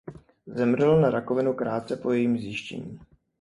Zemřela na rakovinu krátce po jejím zjištění.